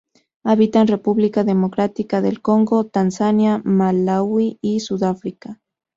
Habita en República Democrática del Congo, Tanzania, Malaui y Sudáfrica.